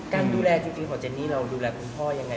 การดูแลจริงของเจนนี่เราดูแลคุณพ่อยังไง